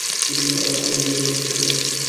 আমার পরিচিত লোকটা সে নয়।